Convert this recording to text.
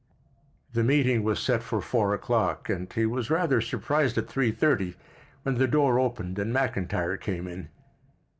The meeting was set for four o'clock, and he was rather surprised at three thirty when the door opened and McIntyre came in.